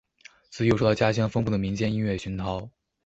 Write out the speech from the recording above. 自幼受到家乡丰富的民间音乐熏陶。